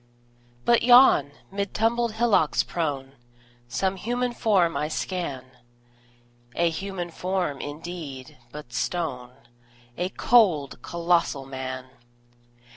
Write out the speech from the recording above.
But yon, mid tumbled hillocks prone, Some human form I scan A human form, indeed, but stone: A cold, colossal Man!